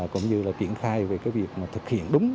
cũng như là triển khai về cái việc mà thực hiện đúng